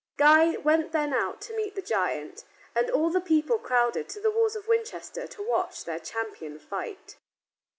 Guy went then out to meet the giant, and all the people crowded to the walls of Winchester to watch their champion fight.